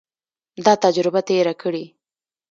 دا تجربه تېره کړي.